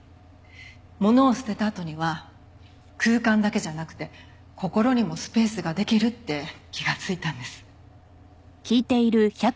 物を捨てたあとには空間だけじゃなくて心にもスペースができるって気がついたんです。